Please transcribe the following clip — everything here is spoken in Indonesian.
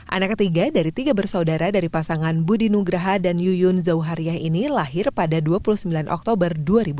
anak ketiga dari tiga bersaudara dari pasangan budi nugraha dan yuyun zauhariah ini lahir pada dua puluh sembilan oktober dua ribu dua puluh